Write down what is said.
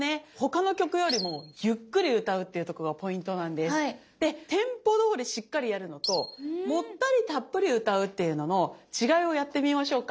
でテンポどおりしっかりやるのともったりたっぷり歌うっていうのの違いをやってみましょうか。